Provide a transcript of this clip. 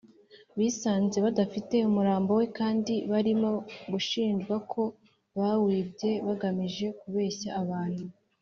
bisanze badafite umurambo we, kandi barimo gushinjwa ko bawibye bagamije kubeshya abantu